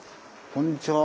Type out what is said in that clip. こんにちは。